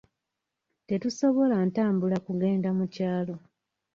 Tetusobola ntambula kugenda mu kyalo.